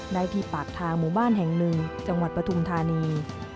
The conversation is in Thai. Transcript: ได้ที่ปากทางหมู่บ้านแห่งหนึ่งจังหวัดปฐุมธานี